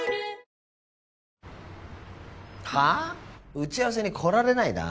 打ち合わせに来られないだあ？